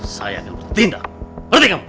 saya akan bertindak berarti kamu